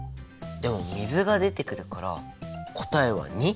でも水が出てくるから答えは②？